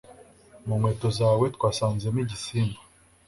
Mu nkweto zawe twasanzemo igisimba